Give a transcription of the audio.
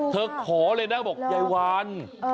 ขอเลยนะบอกยายวัน